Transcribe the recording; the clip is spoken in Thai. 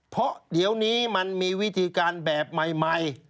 เพราะเดี๋ยวนี้มันมีวิธีการแบบใหม่